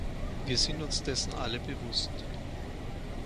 Wir sind uns dessen alle bewusst.